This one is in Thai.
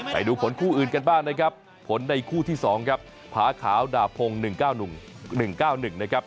ไปดูผลคู่อื่นกันบ้างนะครับผลในคู่ที่๒ครับผาขาวดาบพงศ์๑๙๑๙๑นะครับ